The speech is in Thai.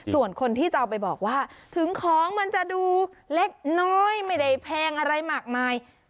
ส่วนคนที่จะเอาไปบอกว่าถึงของมันจะดูเล็กน้อยไม่ได้แพงอะไรมากมาย